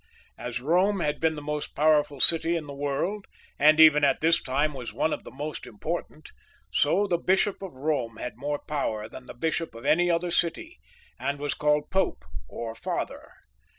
As Eome had been the most powerful city in the world, and even at this time was one of the most important, so the Bishop of Eome had more power than the bishop of any other city, and was called pope or father.